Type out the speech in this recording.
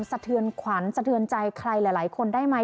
สะเทือนขวัญสะเทือนใจใครหลายคนได้ไหม